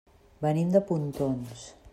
Venim de Pontons.